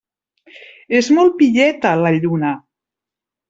És molt pilleta, la lluna.